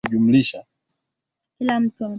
tu ya wageni hao ilisababisha mji fulani kupata jina